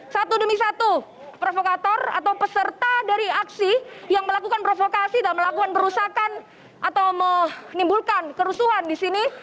satu demi satu provokator atau peserta dari aksi yang melakukan provokasi dan melakukan perusakan atau menimbulkan kerusuhan di sini